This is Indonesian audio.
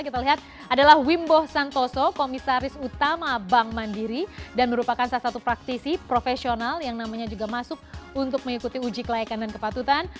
kita lihat adalah wimbo santoso komisaris utama bank mandiri dan merupakan salah satu praktisi profesional yang namanya juga masuk untuk mengikuti uji kelayakan dan kepatutan